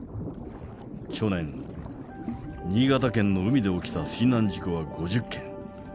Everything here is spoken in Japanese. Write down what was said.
去年新潟県の海で起きた水難事故は５０件。